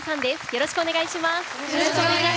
よろしくお願いします。